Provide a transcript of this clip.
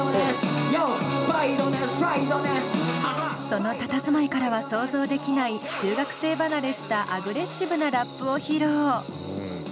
そのたたずまいからは想像できない中学生離れしたアグレッシブなラップを披露。